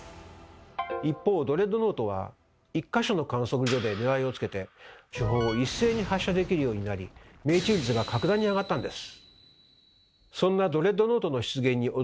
一方ドレッドノートは１か所の観測所で狙いをつけて主砲を一斉に発射できるようになり命中率が格段に上がったんです。